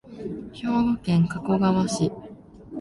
兵庫県加古川市